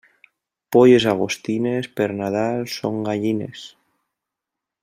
Polles agostines, per Nadal són gallines.